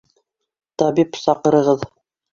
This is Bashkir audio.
— Табип саҡырығыҙ!